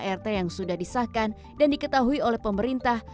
lagi dalam adart yang sudah disahkan dan diketahui oleh pemerintah